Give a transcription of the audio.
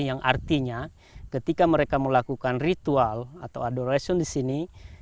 yang artinya ketika mereka melakukan ritual atau adoration di sini